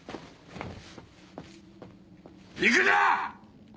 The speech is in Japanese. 行くな！